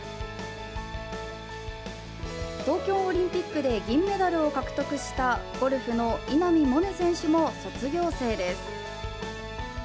東京オリンピックで銀メダルを獲得したゴルフの稲見萌寧選手も卒業生です。